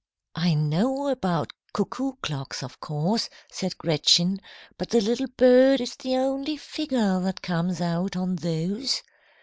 "I know about cuckoo clocks, of course," said Gretchen, "but the little bird is the only figure that comes out on those.